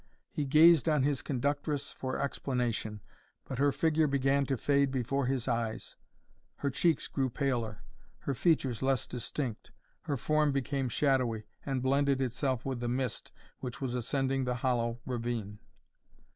He gazed on his conductress for explanation, but her figure began to fade before his eyes her cheeks grew paler, her features less distinct, her form became shadowy, and blended itself with the mist which was ascending the hollow ravine.